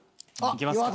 いきますか。